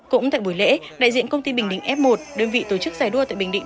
cũng tại buổi lễ đại diện công ty bình định f một đơn vị tổ chức giải đua tại bình định